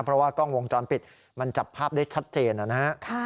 เพราะว่ากล้องวงจรปิดมันจับภาพได้ชัดเจนนะครับ